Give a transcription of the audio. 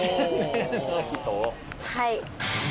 はい。